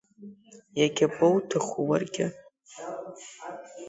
Иагьабоуҭаху уаргьы!